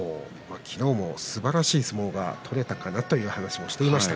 昨日もすばらしい相撲が取れたかなという話をしていました。